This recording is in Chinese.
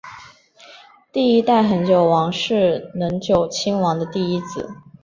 第一代恒久王是能久亲王的第一子。